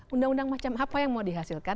undang undang macam apa yang mau dihasilkan